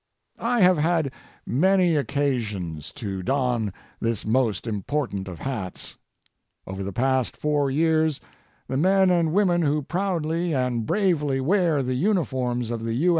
I have had many occasions to don this most important of hats. Over the past 4 years, the men and women who proudly and bravely wear the uniforms of the U.